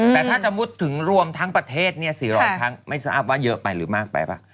แต่ถ้าสมมุติถึงรวมทั้งประเทศ๔๐๐ครั้งไม่ทราบว่าเยอะไปหรือมากไปป่ะ